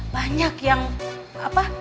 banyak yang apa